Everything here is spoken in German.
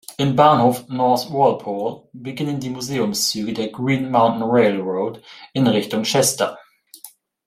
Im Bahnhof North Walpole beginnen die Museumszüge der Green Mountain Railroad in Richtung Chester.